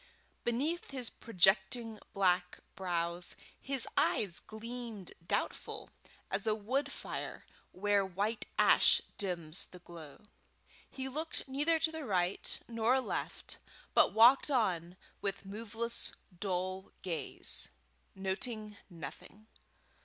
Beneath his projecting black brows, his eyes gleamed doubtful, as a wood fire where white ash dims the glow. He looked neither to right nor left, but walked on with moveless dull gaze, noting nothing.